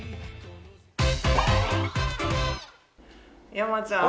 山ちゃん！